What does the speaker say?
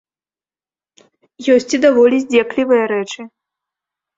Ёсць і даволі здзеклівыя рэчы.